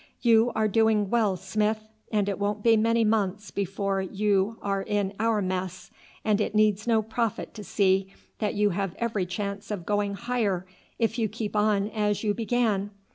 You are doing well, Smith, and it won't be many months before you are in our mess, and it needs no prophet to see that you have every chance of going higher if you keep on as you began.